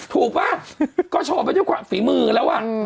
ถูกป่ะก็โชว์ไปด้วยกว่าฝีมือแล้วอ่ะ